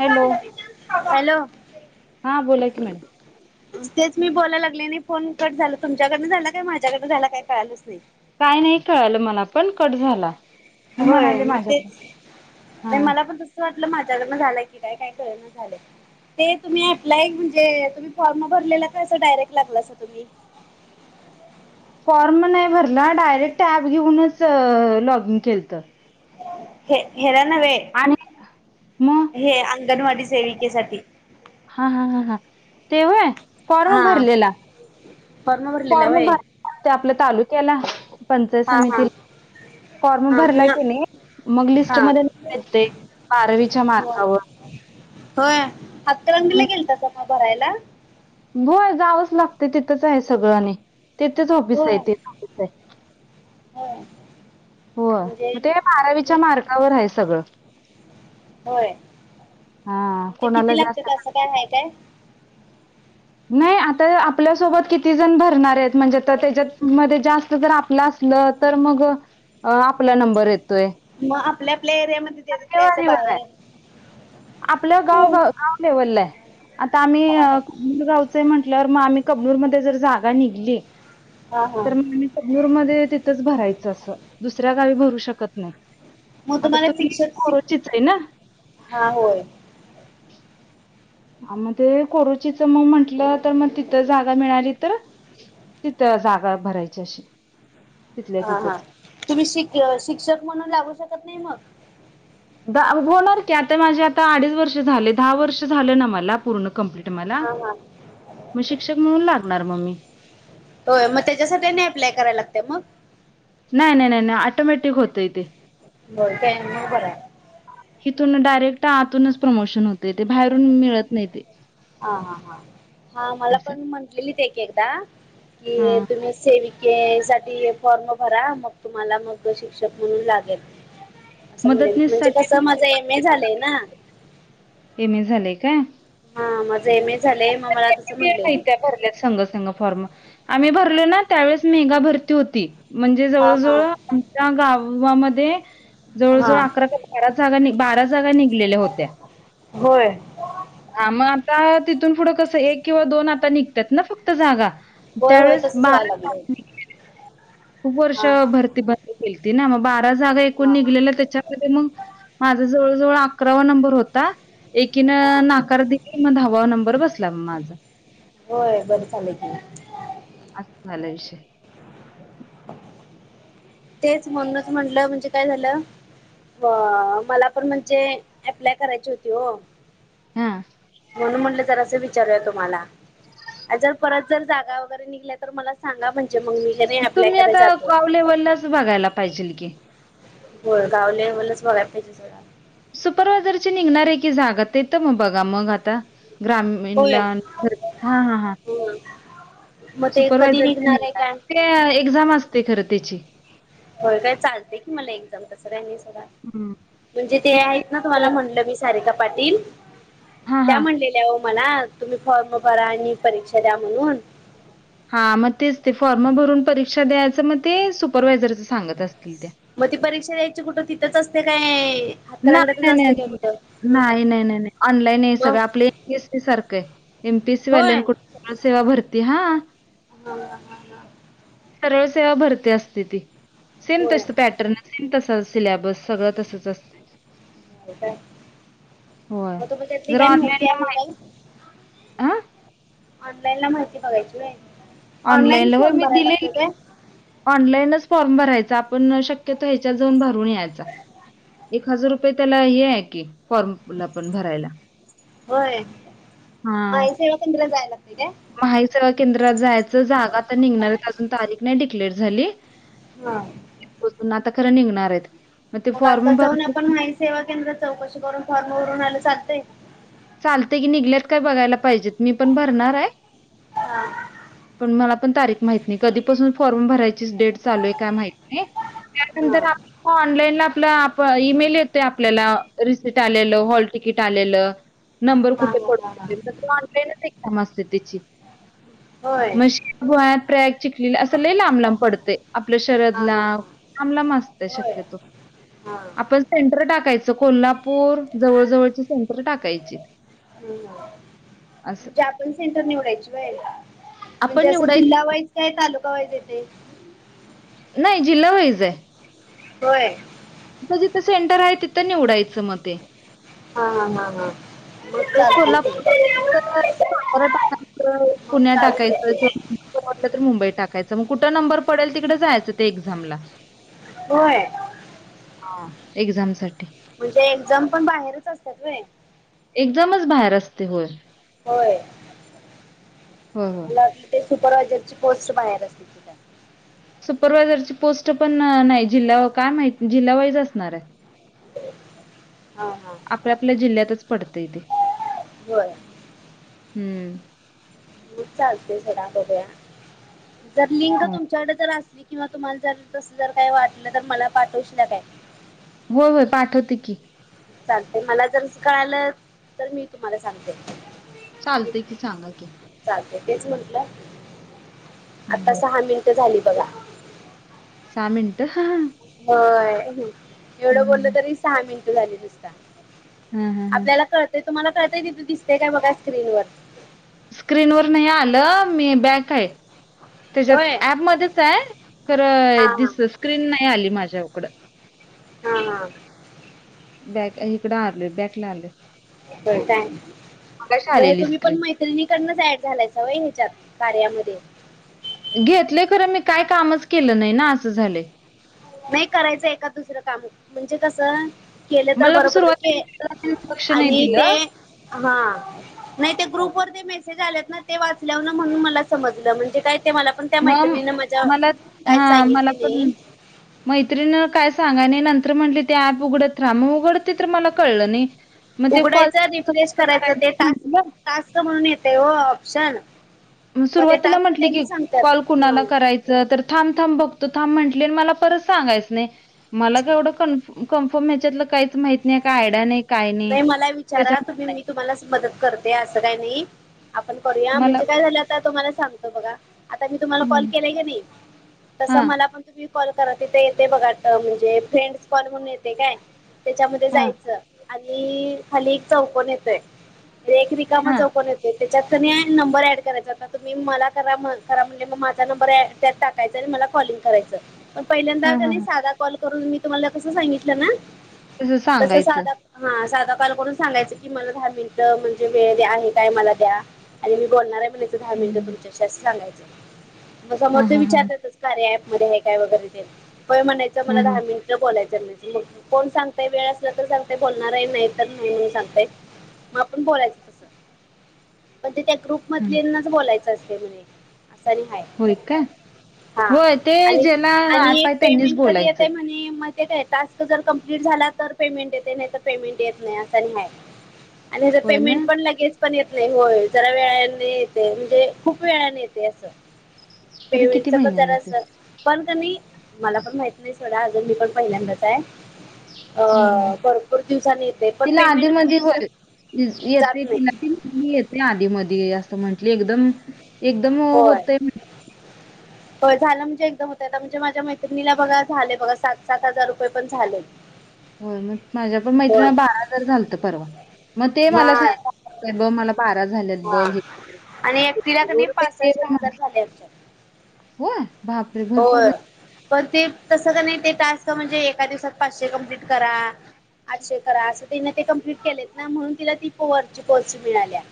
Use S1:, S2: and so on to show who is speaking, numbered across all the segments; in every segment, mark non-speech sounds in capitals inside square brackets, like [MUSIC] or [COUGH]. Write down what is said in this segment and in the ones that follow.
S1: Hello
S2: hello
S1: हा बोलाय की मॅ
S2: ह तेच मी बोलायला लाग नाही फोन कट झाल तुमच्याकडनं झाला काय माझ्याकडनं झाला काय कळालच नाही.
S1: काय नाही कळालं मला पण कट झाला. मी
S2: होय
S1: म्हणाले
S2: मग
S1: माझ्याकडून
S2: तेच
S1: हा
S2: मला पण त ं वाटलं माझ्याकडनं झालंय की काय काय कर झालं ते तुम्ही अप्लाय म्हणजे तुम्ही फॉर्म भरला का असं डायरेक्ट लागला तुम्ही?
S1: फॉर्म नाही भरला डायरेक्ट ऍप घेऊनच लॉगिन केलत.
S2: हे हेरा न वेळ
S1: आणि मग
S2: हे अंगणवाडी सेविकेसाठी
S1: हा हा हा हा तेव्हा आहे
S2: हा भरलेला
S1: फॉर्म
S2: व्हय
S1: भर आपल्या तालुक्याला पंचायत
S2: हा हा
S1: समितीला फॉर्म
S2: हा
S1: भरला
S2: मग
S1: की नाही मग लिस्ट
S2: हा
S1: मध्येयेत ते पारवीच्या मार्गावर
S2: हो हातकणंगले गेलतात नवं भरायला
S1: होय जावंच लागते तिथंच आहे सगळ्यांनी तिथेच ऑफिस आहे तेच ऑफिस आहे.
S2: हो
S1: हो मग ते बारावीच्या मार्गावर आहे सगळं.
S2: होय
S1: हा
S2: म्हणजे
S1: कोणाला
S2: किती लागत
S1: जास्त
S2: तं काय आहे काय.
S1: नाही आता आपल्यासोबत किती जण भरणार आहेत म्हणजे तर त्याच्या मध्ये जास्त जर आपला. तर मग आपला नंबर येतोय.
S2: मग आपल्या आपल्या एरियामध्ये. देतात
S1: टक्के
S2: काय असं
S1: वारीवर
S2: बाहेर
S1: आहे आपल्या गाव.
S2: होय.
S1: दवले आता आम्ही
S2: हा
S1: अ.
S2: हा
S1: करगावचं म्हटलंवर मग आम्ही कबनूर मध्ये जर जागा निघली.
S2: हा हा.
S1: तर मग आम्ही चगनूर मध्ये तिथंच भरायचं असं दुसऱ्या गावी भरू शकत नाही.
S2: मग
S1: आता
S2: तुम्हाला
S1: तुम्ही
S2: शिक्षक शिक
S1: कोरोचीचे ना
S2: हा होय
S1: आ मध्ये कोरुचीच मग म्हंटलं तर मग तिथं जागा मिळाली तर तिथ जागा भरायची अशी. तिथल्या
S2: हा हा
S1: तिथंच
S2: तुम्ही शिक शिक्षक म्हणून लागू शकत नाही मग
S1: होणार की आता माझे आता अडीच वर्ष झाले दहा वर्ष झाले ना मला पूर्ण कंप्लीट. मला
S2: हा हा
S1: मग शिक्षक म्हणून लागणार मी.
S2: होय मग त्याच्यासाठी नाही अप्लाय करायला लागते मग?
S1: नाही नाही नाही नाही ऑटोमॅटिक होतंय तेे.
S2: [INAUDIBLE]
S1: तिथून डायरेक्ट आतूनच प्रमोशन होते ते बाहेरून मिळत नाही ते.
S2: हा हा हा हा मला
S1: असं
S2: पण म्हटलेली एकदा कि
S1: हा
S2: तुम्ही सेव साठी फॉर्म भरा मग तुम्हाला मग शिक्षक म्हणून लागेल. असं म्हणेल
S1: मदतनीस
S2: म्हणजे
S1: साठी
S2: कसं माझं एम ए झालंय ना.
S1: एम ए झालंय काय?
S2: हा माझं एम ए झालय म
S1: [INAUDIBLE] भरले संग संंग फॉर्म आम्ही भरलो ना त्यावेळेस मेगा भरती होती. म्हणजे
S2: हा
S1: जवळ
S2: हा
S1: जवळ आमच्या गावामध्ये
S2: हा
S1: जवळजवळ अकरा बारा जागा बारा जागा निघलेल्या होत्या.
S2: होय.
S1: ह मग आता तिथून पुढं कसं एक किंवा दोन आता निघतात ना फक्त जागा.
S2: होय होय
S1: त्यावेळेस
S2: तसंच व्हायला
S1: बारा
S2: लागलंय
S1: [INAUDIBLE] खूप वर्ष
S2: हा हा
S1: भरती बंद होलती ना मग बारा जागा एकूण
S2: हा हा
S1: निघलेल्या त्याच्या माझ्या जवळ जवळ अकरावा नंबर होता
S2: हा
S1: एकीनं आकार दिले मग धावा नंबर बसला माझा.
S2: होय बरं चालेल की.
S1: अस झालं विषय.
S2: तेच म्हणूनच म्हटलं म्हणजे काय झालं. व मला पण म्हणजे अप्लाय करायची होती हो.
S1: हा.
S2: म्हणून म्हटलं तर असं विचारूया तुम्हाला जर परत जर जागा वगैरे निघल्या तर मला सांगा म्हणजे मग मी अप्लाय करायला जातो.
S1: लेवलचा पण बघायला पाहिजेल की.
S2: हो गावले लेवल बघायला पाहिजे सोडा.
S1: सुपरवायझर ची निघणारे की जागा तेेत मग बघा मग आता ग्रामी नला हा हा हा.
S2: हो मग ते कधी निघणार आहे काय?
S1: त्या एक्झाम असते खरं त्याची.
S2: हो काय चालते की मला एक्झाम तसं काय नाही सोडा
S1: हम्म.
S2: म्हणजे ते आहेत ना तुम्हाला म्हटलं मी. सारिका पाटील
S1: हा
S2: त्या
S1: हा.
S2: म्ह दव मला तुम्ही फॉर्म भरा आणि परीक्षा द्या म्हणून.
S1: हा मग तेच ते फॉर्म भरून परीक्षा द्यायचं मग ते सुपरवायझरच सांगत असतील त्या.
S2: मग ती परीक्षा द्यायची कुठं तिथंच असते काय?
S1: नाय
S2: हातकलंगड्यातच
S1: नाय
S2: असते काय
S1: नाय.
S2: कुठं?
S1: नाय नाय नाय नाय ऑनलाईन आहे
S2: मग
S1: सगळं आपलं एम पी एस सी सारखं आहे एम पी एसी
S2: होय.
S1: वाल्या कुठ इ सेवा भरती हा.
S2: हा हा हा हा
S1: सरळ सेवा भरती असते ती सेम
S2: होय
S1: तस पॅटर्न सेम तस सिलेबस सगळं तसच असत.
S2: काय
S1: होय
S2: मग तुम्ही त्यातली
S1: जर
S2: काही
S1: ऑनलाईन ला
S2: आहे
S1: माहिती
S2: काय?
S1: आ
S2: ऑनलाईन ला माहिती बघायची होय ऑनलाईनच
S1: ऑनलाईनला होय
S2: फार्म
S1: मी
S2: भरायला लागतो
S1: दिलेली
S2: काय?
S1: ऑनलाईनच फॉर्म भरायचा आपण शक्यतो ह्याच्यात जाऊन भरून यायचा. एक हजार रुपये त्याला हे आहे की फॉर्म
S2: होय महा-ई-सेवा केंद्रात जायला लागते काय?
S1: महा- इ -सेवा केंद्रात जायच जागा आता निघणार अजून तारीख नाही डिक्लेअर झाली.
S2: हा.
S1: उचलून आता खरं निघणार आहेत मग ते
S2: आता
S1: फॉर्म भर
S2: जाऊन आपण माहिती सेवा केंद्रात चौकशी करून फॉर्मवररून आयलं चालतंय?
S1: चालते की निघल्यात काय बघायला पाहिजेत मी पण भरणार हाय
S2: हा हा
S1: पण मला पण तारिख माहित नाही कधीपसून फॉर्म भरायचा ची डेट चालू आहे का माहित नाही त्या नंतर आपल्याला ऑनलाईनला आपला आप ईमेल येतोय आपल्याला रिसीट आलेलं हॉल तिकीट आलेल. नंबर
S2: हा
S1: कुठे
S2: हा हा हा
S1: पडतोय ऑनलाईनच एक्झाम असते त्याची
S2: होय
S1: मशी गोह्यात प्रयाग चिकली असं लई लांब लांब पडतंय आपल्या
S2: हा
S1: शरदला
S2: हा हा
S1: लांब लांब असतोय
S2: होय
S1: शक्यतो
S2: हा
S1: आपण सेंटर टाकायचं कोल्हापूर जवळ जवळची सेंटर टाकायची. असं.
S2: म्हणजे आपण सेंटर निवडायची होय म्हणजे
S1: आपण
S2: असं
S1: निवडायच
S2: जिल्हा वाईज काय तालुका वाइज येतंय
S1: नाही जिल्हा वाईज हाय
S2: होय.
S1: जिथं जिथं सेंटर आहे तिथं निवडायचं मग ते.
S2: हा हा हा हा. मग
S1: एक
S2: चालतंय
S1: कोल्हापूर
S2: की.
S1: टाकायचं, सातारा टाकायचं,
S2: मग
S1: पुणे
S2: चालतंय
S1: टाकायचं
S2: की.
S1: किंवा सोप वाटलं तर मुंबई टाकायचं मग कुठं नंबर पडेल तिकडें जायचं ते एक्झामला
S2: होय.
S1: हा एक्झामसाठी.
S2: म्हणजे एक्झाम पण बाहेरच असतात होय.
S1: एक्झामच बाहेर असते होय.
S2: होय
S1: होय, होय.
S2: मला ते सुपरवायझरची पोस्ट बाहेर असते की काय.
S1: सुपरवायझर ची पोस्ट पण नाही जिल्हा काय माहिती जिल्हा वाईज असणार हाय.
S2: हा हा.
S1: आपल्या आपल्या जिल्ह्यातच पडतंय ते.
S2: बरं.
S1: हम्म
S2: मग चालतय सोडा बघुया जर लिंक
S1: होय.
S2: तुमच्याकडे जर असली किंवा तुम्हाला जर तसं जर काही वाटलं तर मला पाठवशील का काय.
S1: होय होय पाठवते की.
S2: चालतंय मला जर कळलं तर मी तुम्हाला सांगते
S1: चालतेय की सांगा की
S2: चालतय तेच म्हंटलं
S1: हं,
S2: आता
S1: हं.
S2: सहा मिनिट झाली बघा
S1: सहा मिनट हा
S2: होय एवढं बोललं
S1: हं.
S2: तरी सहा मिनिट झाली नुसता
S1: हा हा
S2: आपल्याला कळतंय तुम्हाला कळंतय तिथं दिसतेय काय बघा स्क्रीनवर
S1: स्क्रीन वर नाही आलं मी बॅक आहे त्याच्यात
S2: होय
S1: ऍपमध्येच आहे
S2: हा
S1: खरं
S2: हा
S1: दिस स्क्रीन नाही आली माझ्याकडं
S2: हा हा
S1: बॅक इकडं आलोय बॅकला आलय.
S2: मग हे
S1: आलेली
S2: तुम्ही पण
S1: स्क्रीन.
S2: माहिती सैनिकडनच ऍड झालायच व्हय ह्याच्यात कार्यामध्ये.
S1: घेतले खरं मी काय कामच केलं नाही ना असं झालं.
S2: नाही करायचं एका दुसरं काम म्हणजे कस केले तर
S1: मला
S2: बरं पडतय
S1: सुरुवातीला लक्ष नाही
S2: आणि ते
S1: दिलं.
S2: हा नाही ते ग्रुप वर ते मेसेज मेसेज आल्यात ना ते वाचल्यावर म्हणून मला समजलं म्हणजे काय मला पण त्या
S1: मग
S2: मैत्रिणीने मज्या
S1: मला
S2: काय सांगितलीली
S1: मैत्रीिण काय सांगाय नाही नंतर म्हटली ते ऍप उघडत राहा मग उघडतते तर मला कळलं नाही मग ते कॉल
S2: उघडायचं
S1: करायचं म्हटलं
S2: कास्त म्हणून येतेय हो ऑप्शन मग ते
S1: सुरुवातीला
S2: टास्क
S1: म्हंटले की
S2: त्यांनी सांगतात
S1: कॉल
S2: ह
S1: कुणाला करायच तर थांब थांब बघतो थांब म्हटली मला परत सांगायच नाही मलावढं कन कन्फर्म ह्याच्यातलं काहीच माहीत नाही काय आयड्या नाही
S2: नाही मला विचारा
S1: त्याच्यामुळे
S2: तुम्ही
S1: नाही
S2: मी तुम्हालाच मदत करते असं काही नाही आपण करूया
S1: मला
S2: म्हणजे काय झालं आता तुम्हाला सांगतो बघा आता मी तुम्हाला कॉल
S1: हम्म
S2: केलाय की नाही तस
S1: हा
S2: मला पण तुम्ही कॉल करा तिथे येते बघा म्हणजे फ्रेंड्स कॉल म्हणून येते काय त्याच्यामध्ये
S1: हा
S2: जायचं आणि खाली एक चौकन येतोय रेख र कामा
S1: हा
S2: चौ पण येते त्याच्यात क नंबर ऍड करायचा होता तुम्ही मला करा करा म्हणजे मग माझा नंबर ड त्या टा य मला कॉलिंग करायचं पहिल्यांदा
S1: हा
S2: का
S1: हा
S2: नाही
S1: हा
S2: साधा कॉल करून मी तुम्हाला कसं सांगितलं ना
S1: तसं
S2: तस
S1: सांगायचं
S2: साधा हा साधा काल करडून सांगायचं कि मला दहा मिनिटं म्हणजे वेळ द्या आहे काय मला द्या आणि मी बोलणार आहे म्हणे दहा मिनटं
S1: हा
S2: तुमच्याच सांगायचं समोर ते
S1: हा हा हा
S2: विचारत कार्याप मध्ये आहे काय वगैरे ते म्हणायचं मला
S1: हा
S2: दहा मिनिट बोलायचं म्ह कोण सांगतय वेळ असला तर सांग ते बोलणार आहे नाही तर नाही म्हणून सांगते मग आपण बोलायचं तसं पण ते त्या ग्रुप
S1: हा
S2: मधल्यानाच बोलायचं असते म्हणे असं नाहीहाय
S1: होय काय
S2: हा
S1: होय ते
S2: आणि
S1: ज्याला ऍप
S2: आणि
S1: आहे त्यांनीच
S2: पेमेंट कधी
S1: बोलायचंय
S2: येतय म्हणे म ते काय टास्क जर कंप्लीट झाला तर पेमेंट येते नाही तर पेमेंट येत नाही असं नाहीय आणि त्याचं
S1: होय ना
S2: पेमेंट पण लगेच पण येत नाही होय जरा वेळने येते म्हणजे खूप वेळाने येते असं
S1: तरी किती
S2: पेमेंटचा पण
S1: महिन्याने
S2: गराच
S1: येते
S2: पण क नाही मला पण माहित नाही सोडा अजर मी पण पहिल्यांदाच आहे
S1: हम्म हम्म
S2: अ भरपूर दिवसांनी येते पण
S1: तिला आधी
S2: पेमेंट
S1: म
S2: कमी असं जात
S1: येते
S2: नाही
S1: तिला ी येते आधी म असं म्हंटले एकदम एकदम होतय
S2: हो झालं म्हणजे एकदम होत आता म्हणजे माझ्या मैत्रिणीला बघा झाले बघा सात सात हजार रुपये पण झाले
S1: हो मग माझ्या पण मैत्रिणी
S2: होय
S1: बारा हजार झालत परवा मग ते
S2: हा
S1: मला सांय बघ मला बारा झाल्यात बघ हे
S2: एकटला पासष्ट हजार झाले
S1: होय भापरे भरपूर
S2: होय
S1: झा
S2: पण ते तसं का नाही ते टास्क म्हणजे एका दिवसात पाचशे कमप्लीट करा आठशे करा असं तिने ते कम्प्लीट केलेत ना म्हणून तिला ती पो वर कोर्स मिळाल्या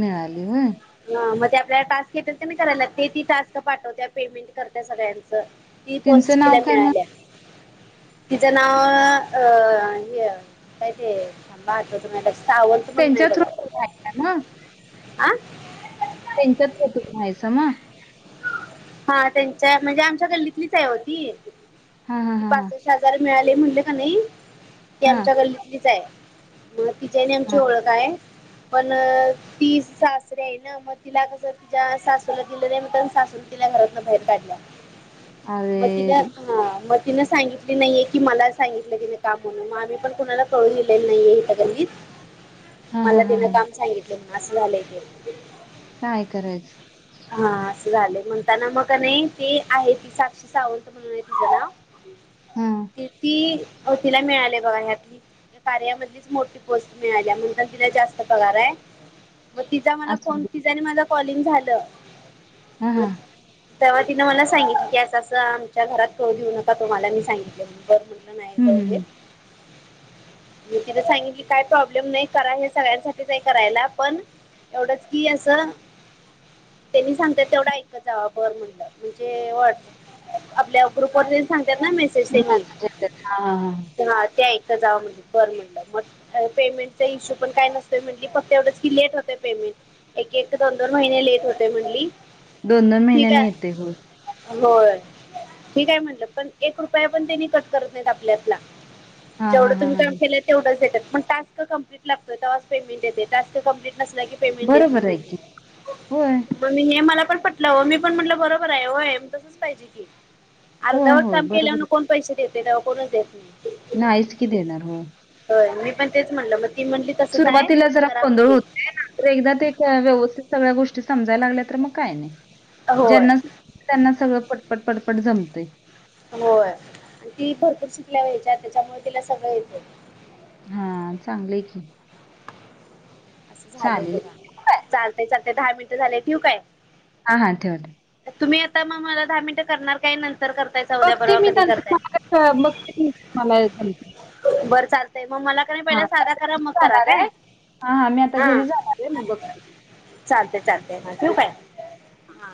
S1: मिळाली हो
S2: ह मग ते आपल्याला टास्क येते तर मी करायला लागते ती टास्क पाठवत पेमेंट सगळ्यांच ती पोस्
S1: त्यांचं नाव
S2: तिला
S1: काय मग?
S2: मिळाल्या तिचं नाव अ हे काय काय बटत सावंत म्हणून नाही
S1: त्यांच्या थ्रू
S2: बघा
S1: तुम्ही हायसा
S2: ह
S1: त्यांच्यात होतून्हायचं मग
S2: हा त्यांच्या म्हणजे आमच्या गल्लीतलीच आहे होती
S1: हा हा हा हा
S2: हजार मिळाले म्हणले का नाही ते
S1: हां
S2: आमच्या गल्लीलीच आहे ह तिच्या न आमची
S1: हां
S2: ओळखय पण ती सासरे आहे ना मग तिला कस तिच्या सासऱ्याला दिलं नाही म्ह ति घरात बाहेर काढ मग
S1: अरे
S2: तिला
S1: रे!
S2: म तिन सांगितली नाहीये की मला सांगितलं तिने का म्हण मग आम्ही पण कुणाला कळून दिलेलं नाहीये इथं गणीत
S1: हां हां
S2: मला
S1: हां
S2: तिन
S1: हां
S2: काम सांगितलं ना असं झालंय ते
S1: काय करायच
S2: हा झाले म्हणताना मग नाही ते आहे ती साक्षी सावंत म्हणून तुझं नाव
S1: हां
S2: ते ती अवतीिला मिळाले बघा ह्यातली कार्यामधलीच मोठी मि त जास्त पगार म ति मला फ
S1: असू दे
S2: तिच्याने माझं कॉलिंग झालं
S1: हां
S2: मग
S1: हां
S2: तेव्हा तिनं मला सांगितलं की असं असं आमच्या घरात तो देऊ नका तुम्हाला मी सांगितलं बर
S1: हं हं हं.
S2: नाहीक मी तिला सांगेन की काय प्रॉब्लेम नाही करा हे सगळ्यांसाठीच करायला पण एवढच की असं त्यांनी सांग तेवढा ऐक बर म्ह म्हणे आपल्या ग्रुप सग म
S1: मेसेज येतात. हां हां हां.
S2: हा ते ऐका जाव म्हण कर म्हणलं म पेमेंटचा इश्यू पण काय नसतय म्हंटली फक्त एवढंच की ट होतंय पेमेंट एक एक दोन दोन महिने लेट होते म्हणली
S1: दोन दोन महिन्याने येते ग
S2: होय मी काय म्हटलं पण एक रुपया पण त्यांनी कट करत नाहीत आपल्यातला
S1: हां हां
S2: जेवढं
S1: हां
S2: तुम्ही काम
S1: हां.
S2: केलंय तेवढंच देतात पण टस्क कम्प्लीट लागतो ते पेमेंट येते
S1: बरोबर आहे की. होय.
S2: [INAUDIBLE] णट मी पण म्हटलं बरोबर आहे तसच पाहिजे की
S1: होय,
S2: अर्धवर
S1: होय.
S2: काम केण
S1: बरोबर.
S2: पैसे देते तेव कोणच देत नाही
S1: नाही इच की देणार हो
S2: हो मी पण तेच म्हणल मग ती म्हणली तसच आहे करा म्हणली
S1: तर एकदा ते व्यवस्थित सगळ्या गोष्टी समजायला लागल्या तर मग काय नाही
S2: होय
S1: ज्यांना त्यांना सगळं पटपट पडपट जमते
S2: हो ती भरपूर शिकल्या वयच्या त्याच्यामुळे तिला सगळं येत
S1: हा चांगलंय की
S2: असं झालेय
S1: चालेल.
S2: बघ
S1: ठेवू काय?
S2: चालतय चालतय दहा मिनिटं झाले ठिव काय
S1: हा हां ठेवत
S2: तुम्ही आता मग मला दहा मिनटं करणार काय नंतर कर
S1: बघते मी न म क बघते मलाते
S2: बरं चालतंय मग मला क नाही पहिला साधा करा मग करा काय
S1: हा हा मी आता घरी जाणार आहे मग बघ
S2: चालते चालते म ठेव काय हा